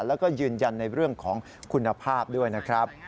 แล้วก็ยืนยันในเรื่องของคุณภาพด้วยนะครับ